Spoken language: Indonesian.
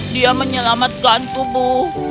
dia menyelamatkan kubuk